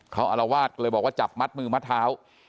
เขาอารวาสก็เลยบอกว่าจับมัดมือมัดเท้า